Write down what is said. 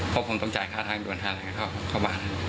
ก็คงต้องจ่ายค่าทางด่วนทางเข้าบ้าน